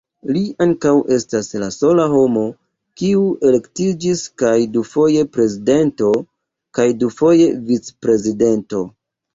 Li ankaŭ estas la sola homo, kiu elektiĝis kaj dufoje prezidento, kaj dufoje vic-prezidento.